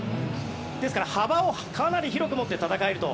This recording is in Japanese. ですから、幅をかなり広く持って戦えると。